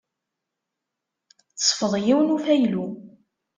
Tesfeḍ yiwen n ufaylu.